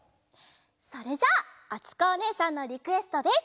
それじゃああつこおねえさんのリクエストです。